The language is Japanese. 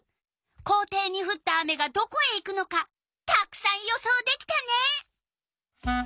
校庭にふった雨がどこへ行くのかたくさん予想できたね！